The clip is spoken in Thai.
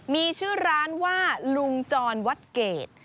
มีชื่อร้านว่าลุงจรวัดเกรด